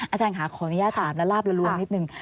อาจารย์ค่ะขออนุญาตถามและลาบละลวงนิดนึง